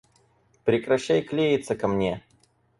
Прекращай клеиться ко мне!